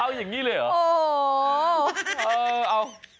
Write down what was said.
เอาอย่างนี้เลยเหรอโอ้โห